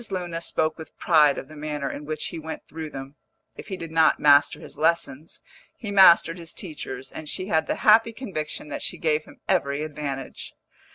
Luna spoke with pride of the manner in which he went through them; if he did not master his lessons, he mastered his teachers, and she had the happy conviction that she gave him every advantage.